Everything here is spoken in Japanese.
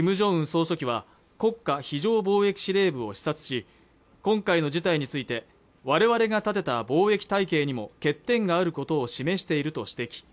総書記は国家非常防疫司令部を視察し今回の事態について我々が立てた防疫体系にも欠点があることを示していると指摘